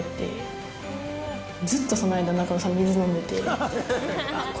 ずっとその間中野さん水飲んでて。